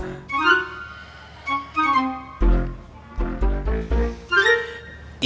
guntur gak salah